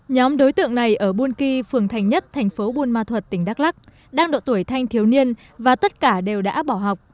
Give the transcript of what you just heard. nhóm đối tượng này ở buôn kỳ phường thành nhất thành phố buôn ma thuật tỉnh đắk lắc đang độ tuổi thanh thiếu niên và tất cả đều đã bỏ học